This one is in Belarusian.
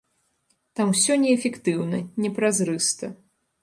Там усё неэфектыўна, не празрыста.